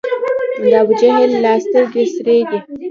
د ابوجهل لا سترګي سرې دي